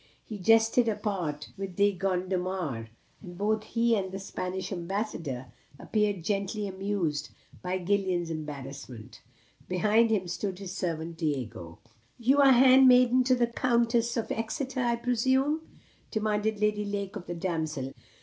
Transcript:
He jested apart with De Gondomar; and both he and the Spanish Ambassador appeared greatly amused by Gillian's embarrassment. Behind him stood his servant Diego. "You are handmaiden to the Countess of Exeter, I presume?" demanded Lady Lake of the damsel.